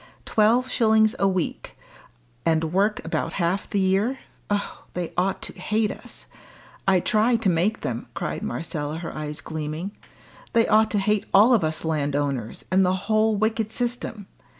Twelve shillings a week, and work about half the year! Oh! they ought to hate us! I try to make them," cried Marcella, her eyes gleaming. "They ought to hate all of us landowners, and the whole wicked system.